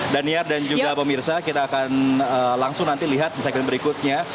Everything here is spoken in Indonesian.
daniar dan juga pemirsa kita akan langsung nanti lihat di segmen berikutnya